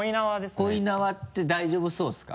恋縄って大丈夫そうですか？